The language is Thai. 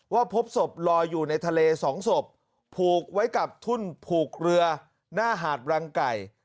พบศพลอยอยู่ในทะเลสองศพผูกไว้กับทุ่นผูกเรือหน้าหาดรังไก่